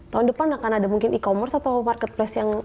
tahun depan akan ada mungkin e commerce atau marketplace yang